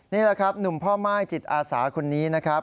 นี่แหละครับหนุ่มพ่อม่ายจิตอาสาคนนี้นะครับ